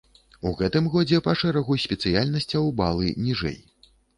У гэтым годзе па шэрагу спецыяльнасцяў балы ніжэй.